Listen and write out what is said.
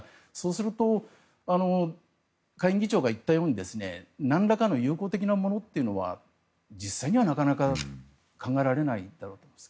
すると下院議長が言ったようになんらかの有効的なものというのは実際には、なかなか考えられないだろうと思います。